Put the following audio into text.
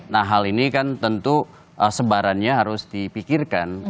nah hal ini kan tentu sebarannya harus dipikirkan